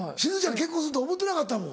結婚すると思ってなかったもん。